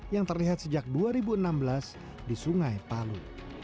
yang terlihat sejak dua ribu enam belas di sungai palu